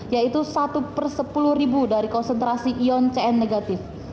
yaitu satu per sepuluh ribu dari konsentrasi ion cn negatif